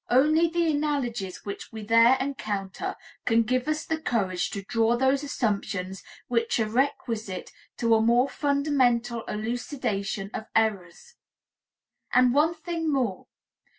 Only the analogies which we there encounter can give us the courage to draw those assumptions which are requisite to a more fundamental elucidation of errors. And one thing more.